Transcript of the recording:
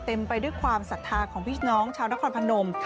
ไปด้วยความศรัทธาของพี่น้องชาวนครพนม